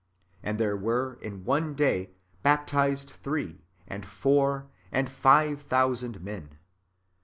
And there were, in one day, baptized three, and four, and five thousand men.